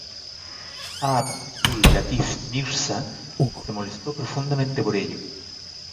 Abd ul-Latif Mirza se molestó profundamente por ello.